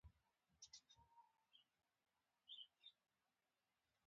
آیا پاکوالی د ایمان برخه نه ده؟